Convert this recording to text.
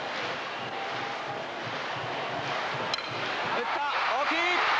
打った大きい！